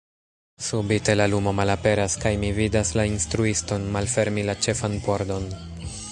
Subite la lumo malaperas, kaj mi vidas la instruiston malfermi la ĉefan pordon...